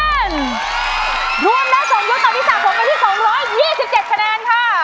รวมได้ส่งยุคต่อวิสัยสมมุมเป็นที่๒๒๗คะแนนค่ะ